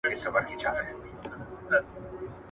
نه بيزو نه قلندر ورته په ياد وو